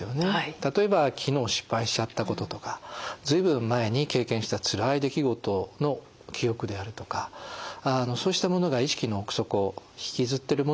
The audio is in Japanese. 例えば昨日失敗しちゃったこととか随分前に経験したつらい出来事の記憶であるとかそうしたものが意識の奥底引きずってるものはありますよね。